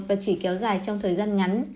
và chỉ kéo dài trong thời gian ngắn